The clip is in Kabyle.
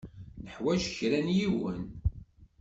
Nuḥwaǧ kra n yiwen.